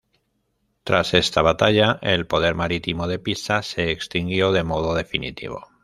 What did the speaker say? Tras esta batalla, el poder marítimo de Pisa se extinguió de modo definitivo.